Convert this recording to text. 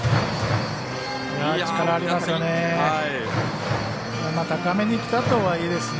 いい力ありますよね。